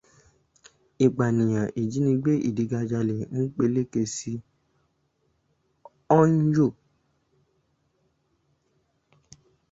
Ìpànìyàn, ìjínigbé, ìdigunjalè ń peléke sí n'Ọ́yò.